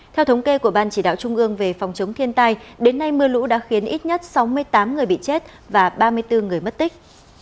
theo thống kê của ban chỉ đạo trung ương về phòng chống thiên tai đến nay mưa lũ đã khiến ít nhất sáu mươi tám người bị chết và ba mươi bốn người mất tích